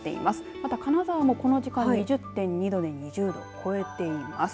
また金沢もこの時間、２０．２度で２０度を超えています。